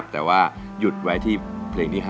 แต่ว่าหยุดไว้ที่เพลงที่๕